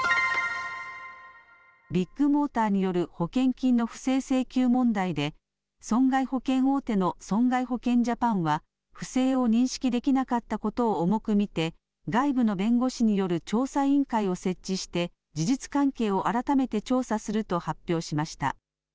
ビッグモーターによる保険金の不正請求問題で損害保険大手の損害保険ジャパンは不正を認識できなかったことを重く見て外部の弁護士による調査委員会を設置して事実関係を改めて調査すると発表しました。